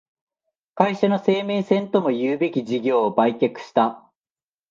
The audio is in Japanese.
会社の生命線ともいうべき事業を売却した